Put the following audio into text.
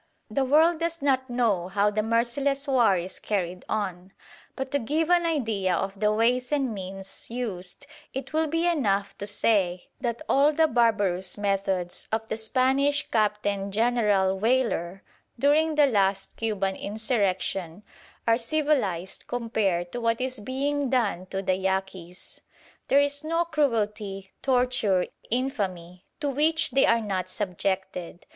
The world does not know how the merciless war is carried on; but to give an idea of the ways and means used it will be enough to say that all the barbarous methods of the Spanish Captain General Weyler during the last Cuban insurrection are civilised compared to what is being done to the Yaquis. There is no cruelty, torture, infamy, to which they are not subjected.